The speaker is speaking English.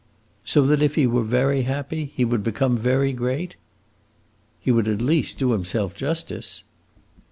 "So that if he were very happy, he would become very great?" "He would at least do himself justice."